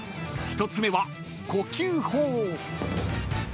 ［１つ目は呼吸法］